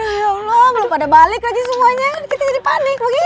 aduh ya allah belum ada balik lagi semuanya kita jadi panik begini